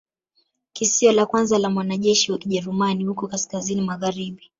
Kisio la kwanza la mwanajeshi wa Kijerumani huko kaskazini magharibi